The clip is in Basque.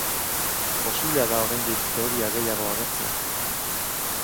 Posiblea da oraindik teoria gehiago agertzea.